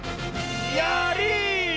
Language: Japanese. やり！